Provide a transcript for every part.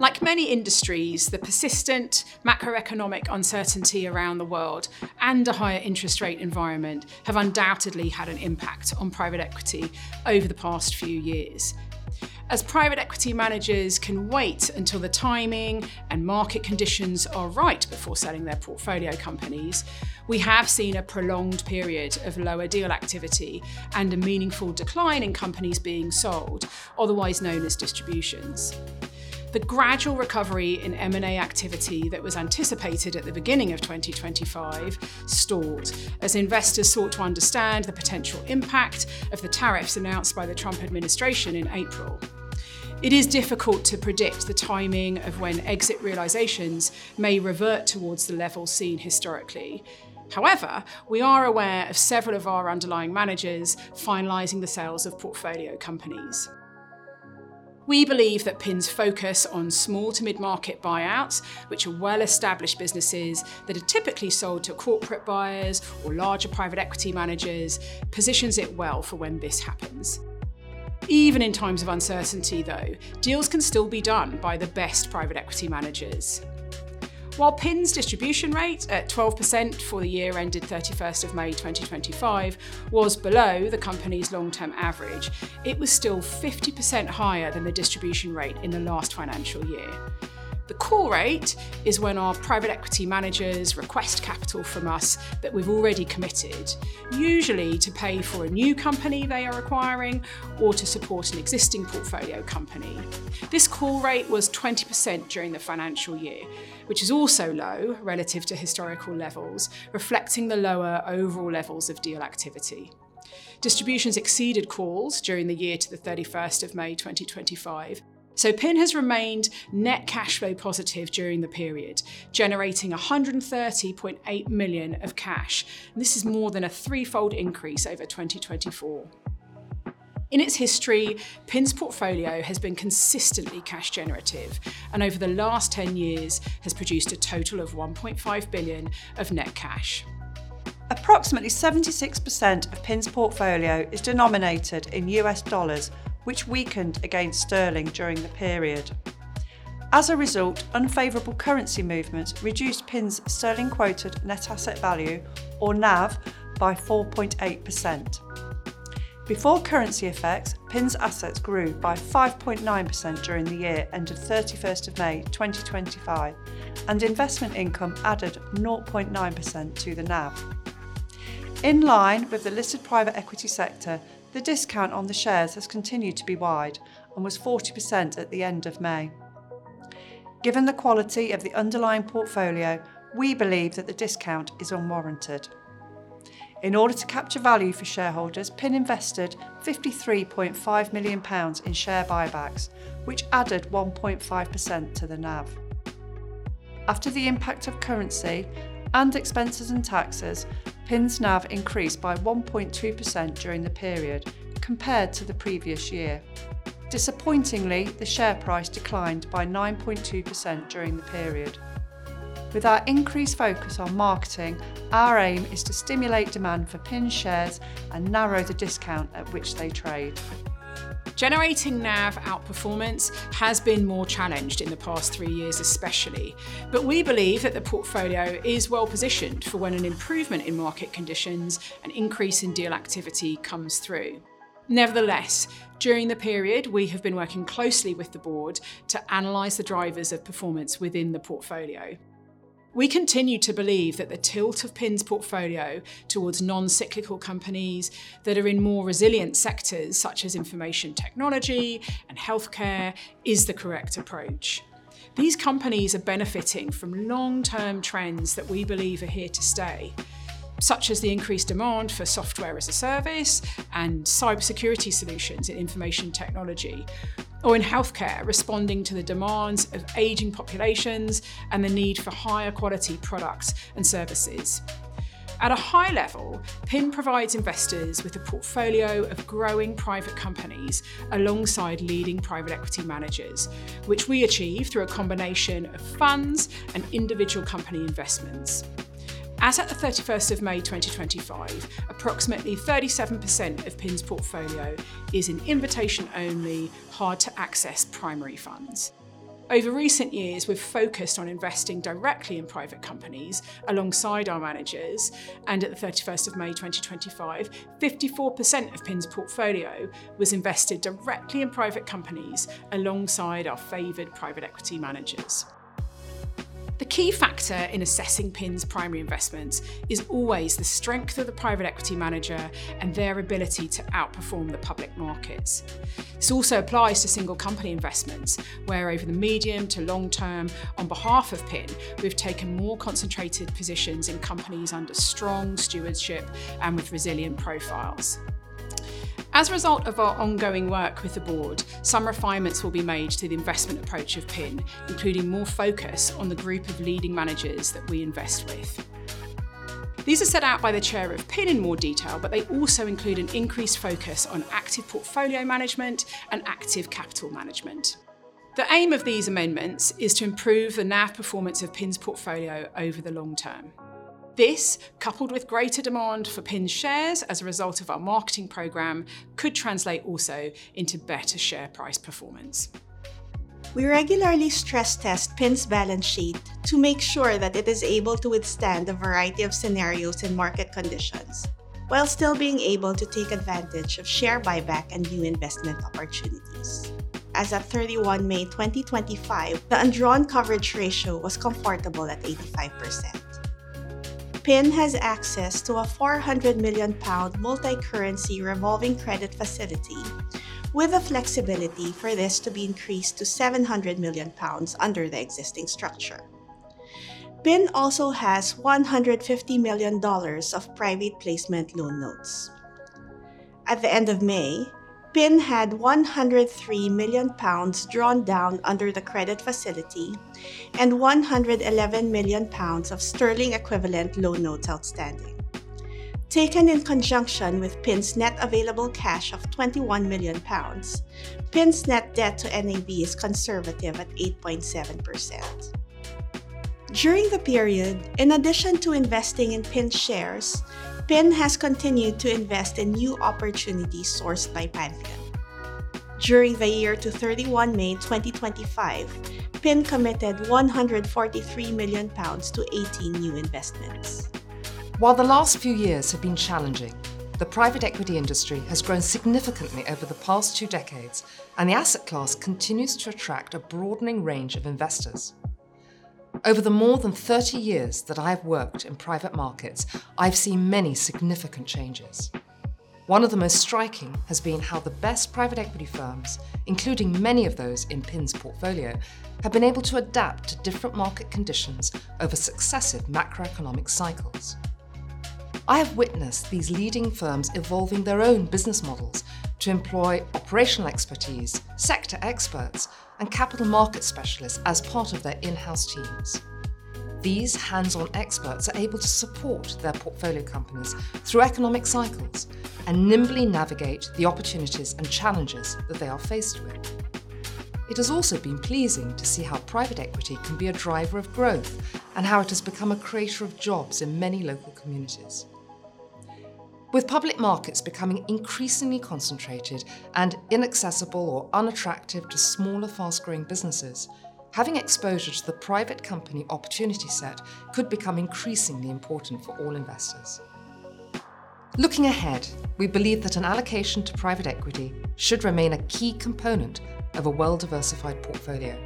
Like many industries, the persistent macroeconomic uncertainty around the world and a higher interest rate environment have undoubtedly had an impact on private equity over the past few years. As private equity managers can wait until the timing and market conditions are right before selling their portfolio companies, we have seen a prolonged period of lower deal activity and a meaningful decline in companies being sold, otherwise known as distributions. The gradual recovery in M&A activity that was anticipated at the beginning of 2025 stalled as investors sought to understand the potential impact of the tariffs announced by the Trump administration in April. It is difficult to predict the timing of when exit realizations may revert towards the level seen historically. However, we are aware of several of our underlying managers finalizing the sales of portfolio companies. We believe that PIN's focus on small to mid-market buyouts, which are well-established businesses that are typically sold to corporate buyers or larger private equity managers, positions it well for when this happens. Even in times of uncertainty, though, deals can still be done by the best private equity managers. While PIN's distribution rate at 12% for the year ended 31st of May 2025 was below the company's long-term average, it was still 50% higher than the distribution rate in the last financial year. The capital call is when our private equity managers request capital from us that we've already committed, usually to pay for a new company they are acquiring or to support an existing portfolio company. This capital call was 20% during the financial year, which is also low relative to historical levels, reflecting the lower overall levels of deal activity. Distributions exceeded calls during the year to the 31st of May 2025, so PIN has remained net cash flow positive during the period, generating 130.8 million of cash. This is more than a threefold increase over 2024. In its history, PIN's portfolio has been consistently cash generative and over the last 10 years has produced a total of 1.5 billion of net cash. Approximately 76% of PIN's portfolio is denominated in US dollars, which weakened against sterling during the period. As a result, unfavorable currency movements reduced PIN's sterling quoted net asset value, or NAV, by 4.8%. Before currency effects, PIN's assets grew by 5.9% during the year ended 31st of May 2025, and investment income added 0.9% to the NAV. In line with the listed private equity sector, the discount on the shares has continued to be wide and was 40% at the end of May. Given the quality of the underlying portfolio, we believe that the discount is unwarranted. In order to capture value for shareholders, PIN invested 53.5 million pounds in share buybacks, which added 1.5% to the NAV. After the impact of currency and expenses and taxes, PIN's NAV increased by 1.2% during the period compared to the previous year. Disappointingly, the share price declined by 9.2% during the period. With our increased focus on marketing, our aim is to stimulate demand for PIN shares and narrow the discount at which they trade. Generating NAV outperformance has been more challenged in the past three years especially, but we believe that the portfolio is well-positioned for when an improvement in market conditions and increase in deal activity comes through. Nevertheless, during the period we have been working closely with the board to analyze the drivers of performance within the portfolio. We continue to believe that the tilt of PIN's portfolio towards non-cyclical companies that are in more resilient sectors such as information technology and healthcare is the correct approach. These companies are benefiting from long-term trends that we believe are here to stay, such as the increased demand for Software as a Service and cybersecurity solutions in information technology, or in healthcare, responding to the demands of aging populations and the need for higher quality products and services. At a high level, PIN provides investors with a portfolio of growing private companies alongside leading private equity managers, which we achieve through a combination of funds and individual company investments. As at the 31st of May 2025, approximately 37% of PIN's portfolio is in invitation-only, hard to access primary funds. Over recent years, we've focused on investing directly in private companies alongside our managers, and at the 31st of May 2025, 54% of PIN's portfolio was invested directly in private companies alongside our favored private equity managers. The key factor in assessing PIN's primary investments is always the strength of the private equity manager and their ability to outperform the public markets. This also applies to single company investments, where over the medium to long term, on behalf of PIN, we've taken more concentrated positions in companies under strong stewardship and with resilient profiles. As a result of our ongoing work with the board, some refinements will be made to the investment approach of PIN, including more focus on the group of leading managers that we invest with. These are set out by the chair of PIN in more detail. They also include an increased focus on active portfolio management and active capital management. The aim of these amendments is to improve the NAV performance of PIN's portfolio over the long term. This, coupled with greater demand for PIN shares as a result of our marketing program, could translate also into better share price performance. We regularly stress-test PIN's balance sheet to make sure that it is able to withstand a variety of scenarios and market conditions while still being able to take advantage of share buyback and new investment opportunities. As of 31 May 2025, the undrawn coverage ratio was comfortable at 85%. PIN has access to a 400 million pound multi-currency revolving credit facility with the flexibility for this to be increased to 700 million pounds under the existing structure. PIN also has $150 million of private placement loan notes. At the end of May, PIN had 103 million pounds drawn down under the credit facility and 111 million of sterling equivalent loan notes outstanding. Taken in conjunction with PIN's net available cash of 21 million pounds, PIN's net debt to NAV is conservative at 8.7%. During the period, in addition to investing in PIN shares, PIN has continued to invest in new opportunities sourced by Pantheon. During the year to 31 May 2025, PIN committed GBP 143 million to 18 new investments. While the last few years have been challenging, the private equity industry has grown significantly over the past two decades, and the asset class continues to attract a broadening range of investors. Over the more than 30 years that I've worked in private markets, I've seen many significant changes. One of the most striking has been how the best private equity firms, including many of those in PIN's portfolio, have been able to adapt to different market conditions over successive macroeconomic cycles. I have witnessed these leading firms evolving their own business models to employ operational expertise, sector experts, and capital market specialists as part of their in-house teams. These hands-on experts are able to support their portfolio companies through economic cycles and nimbly navigate the opportunities and challenges that they are faced with. It has also been pleasing to see how private equity can be a driver of growth and how it has become a creator of jobs in many local communities. With public markets becoming increasingly concentrated and inaccessible or unattractive to smaller, fast-growing businesses, having exposure to the private company opportunity set could become increasingly important for all investors. Looking ahead, we believe that an allocation to private equity should remain a key component of a well-diversified portfolio.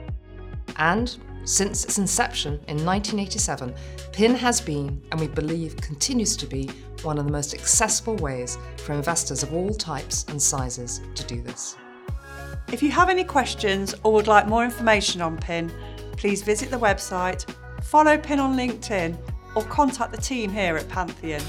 Since its inception in 1987, PIN has been, and we believe continues to be, one of the most successful ways for investors of all types and sizes to do this. If you have any questions or would like more information on PIN, please visit the website, follow PIN on LinkedIn, or contact the team here at Pantheon